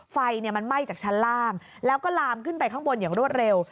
ไฟมันไหม้จากชั้นล่างแล้วก็ลามขึ้นไปข้างบนอย่างรวดเร็ว